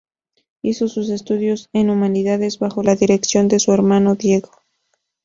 Hizo sus estudios de Humanidades bajo la dirección de su hermano "Diego".